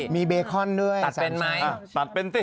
มีเบคอนด้วยตัดเป็นไหมอ่ะตัดเป็นสิ